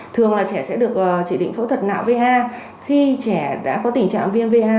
thường là trẻ sẽ được chỉ định phẫu thuật não va khi trẻ đã có tình trạng viêm va